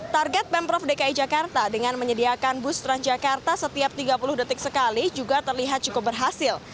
target pemprov dki jakarta dengan menyediakan bus transjakarta setiap tiga puluh detik sekali juga terlihat cukup berhasil